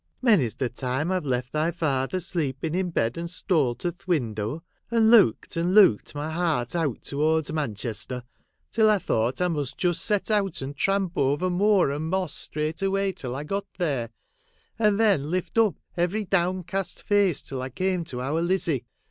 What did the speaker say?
Many 's the time I Ve left thy father sleeping in bed, and stole to th' window, and looked and looked my heart out towards Manchester, till I thought I must just set out and tramp over moor and moss straight away till I got there, and then lift up every down cast face till I came to our Lizzie.